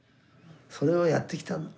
それをやってきたんだ。